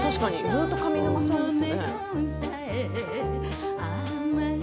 ずっと上沼さんですね」